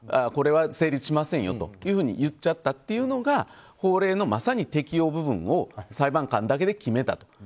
これは成立しませんよと言っちゃったというのが法令の適用部分を裁判官だけで決めたと。